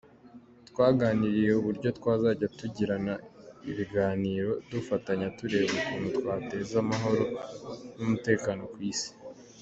Twaganiriye uburyo twazajya tugirana ibiganiro, dufatanya tureba ukuntu twateza amahoro n’umutekano ku Isi.